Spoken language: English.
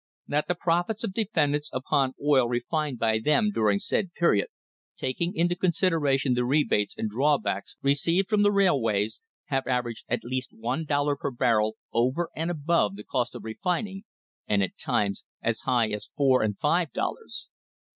That the profits of defendants upon oil refined by them during said period, taking into consideration the rebates and draw backs received from the railways, have averaged at least one dollar per barrel over and Ibove the cost of refining, and at times as high as four and five dollars.